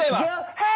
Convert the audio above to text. はい。